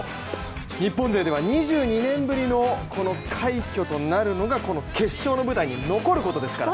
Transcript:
日本勢では２２年ぶりの快挙となるのがこの決勝の舞台に残ることですから。